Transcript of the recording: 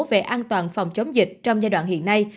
về an toàn phòng chống dịch trong giai đoạn hiện nay